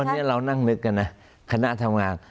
วันนี้เรานั่งนึกกันนะคณะทำงาน